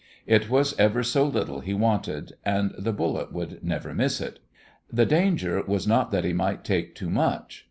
It was ever so little he wanted, and the bullet would never miss it. The danger was not that he might take too much.